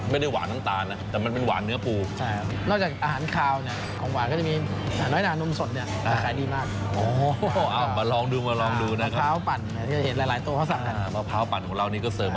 ไม่รอช้านะพี่เทน